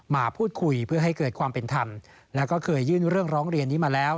มาพูดคุยเพื่อให้เกิดความเป็นธรรมแล้วก็เคยยื่นเรื่องร้องเรียนนี้มาแล้ว